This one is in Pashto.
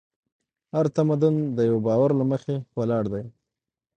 هر تمدن د یوه باور له مخې ولاړ دی.